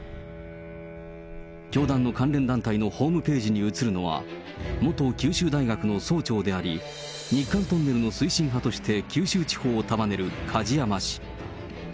教団の関連団体のホームページに写るのは、元九州大学の総長であり、日韓トンネルの推進派として九州地方を束ねる梶山氏。